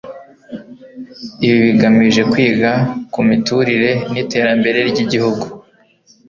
ibi bigamije kwiga ku miturire n'iterambere ry'igihugu